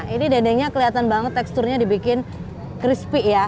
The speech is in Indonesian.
ini dendengnya kelihatan banget teksturnya dibikin crispy ya